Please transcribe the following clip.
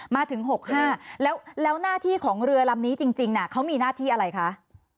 มาถึง๖๕แล้วหน้าที่ของเรือลำนี้จริงเขามีหน้าที่อะไรคะ